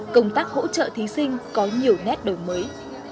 công tác hỗ trợ thí sinh có nhiều nét đổi mới